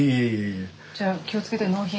じゃあ気をつけて納品。